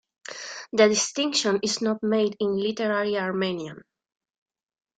The distinction is not made in literary Armenian.